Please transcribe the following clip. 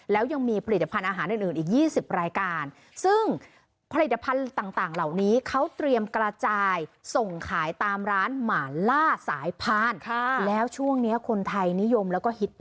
แล้วยังมีผลิตภัณฑ์อาหารอื่นอีก๒๐รายการ